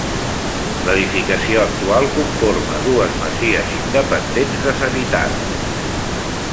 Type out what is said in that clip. L'edificació actual conforma dues masies independents deshabitades.